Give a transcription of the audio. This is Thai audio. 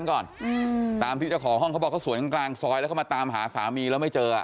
ก่อนอืมตามที่เจ้าของห้องเขาบอกเขาสวนกันกลางซอยแล้วเขามาตามหาสามีแล้วไม่เจอ